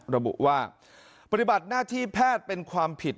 ระบุว่าปฏิบัติหน้าที่แพทย์เป็นความผิด